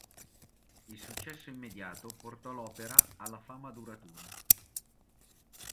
Il successo immediato portò l'opera alla fama duratura.